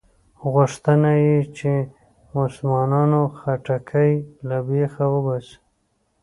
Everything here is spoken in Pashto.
غوښته یې چې مسلمانانو خټکی له بېخه وباسي.